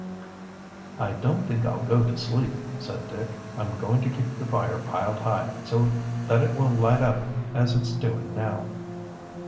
"I don't think I'll go to sleep," said Dick. "I'm going to keep the fire piled high, so that it will light up as it's doing now."